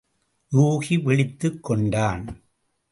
யூகி விழித்துக் கொண்டான்.